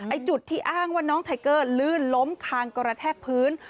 จุดที่อ้างว่าน้องไทเกอร์ลื่นล้มคางกระแทกพื้น